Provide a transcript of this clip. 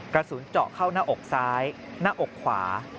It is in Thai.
กระสุนเจาะเข้าหน้าอกซ้ายหน้าอกขวา